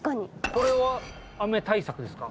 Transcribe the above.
これは雨対策ですか？